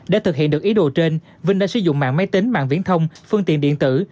để thực hiện được ý đồ trên vinh đã sử dụng mạng máy tính mạng viễn thông phương tiện điện tử